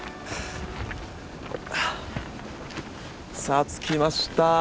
さあ着きました。